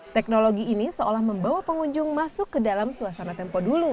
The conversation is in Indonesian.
teknologi ini seolah membawa pengunjung masuk ke dalam suasana tempo dulu